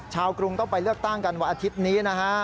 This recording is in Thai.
กรุงต้องไปเลือกตั้งกันวันอาทิตย์นี้นะฮะ